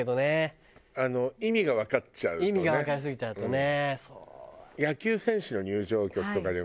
意味がわかりすぎちゃうとね。